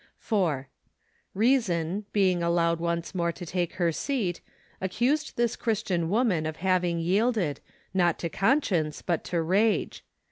4. Reason, being allowed once more to take her seat, accused this Christian woman of having yielded, not to conscience, but to rage.